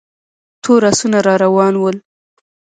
تور آسونه را روان ول.